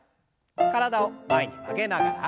体を前に曲げながら。